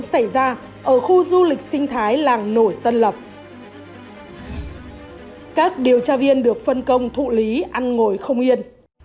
xảy ra ở khu du lịch sinh thái làng nổi tân lập các điều tra viên được phân công thụ lý ăn ngồi không yên